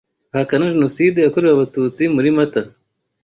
ahakana Jenoside yakorewe Abatutsi muri Mata